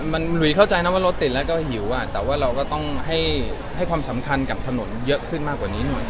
มันหลุยเข้าใจนะว่ารถติดแล้วก็หิวแต่ว่าเราก็ต้องให้ความสำคัญกับถนนเยอะขึ้นมากกว่านี้หน่อย